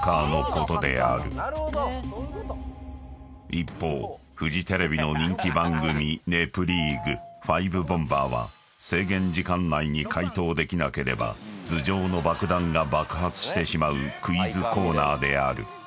［一方フジテレビの人気番組『ネプリーグ』ファイブボンバーは制限時間内に解答できなければ頭上の爆弾が爆発してしまうクイズコーナーである］